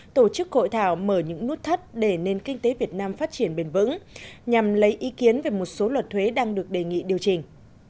tổ chức hội thảo mở những nút thắt để nền kinh tế việt nam phát triển bền vững nhằm lấy ý kiến về một số luật thuế đang được đề nghị điều chỉnh